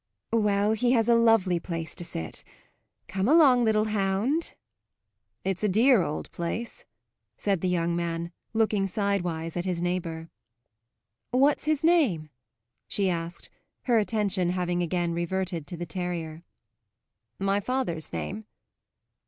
"Well, he has a lovely place to sit. Come along, little hound." "It's a dear old place," said the young man, looking sidewise at his neighbour. "What's his name?" she asked, her attention having again reverted to the terrier. "My father's name?"